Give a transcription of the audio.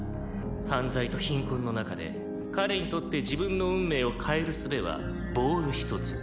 犯罪と貧困の中で彼にとって自分の運命を変えるすべはボールひとつ。